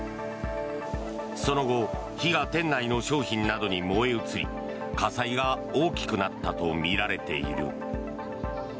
その後火が店内の商品などに燃え移り火災が大きくなったとみられている。